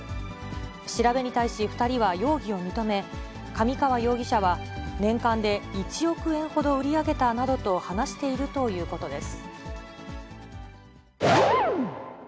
調べに対し２人は、容疑を認め、神川容疑者は、年間で１億円ほど売り上げたなどと話しているということです。